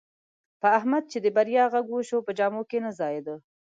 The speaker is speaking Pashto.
په احمد چې د بریا غږ وشو، په جامو کې نه ځایېدا.